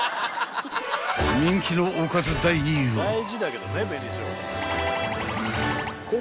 ［人気のおかず第２位は］